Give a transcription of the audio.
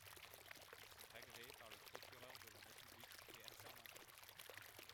Ils sont agrées par le Procureur de la République et assermentés.